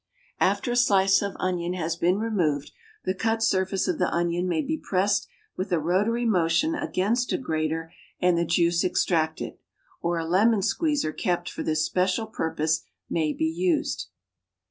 After a slice of onion has been removed, the cut surface of the onion may be pressed with a rotary motion against a grater and the juice extracted; or a lemon squeezer kept for this special purpose may be used.